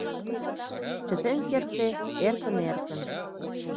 Чытен кертде, эркын-эркын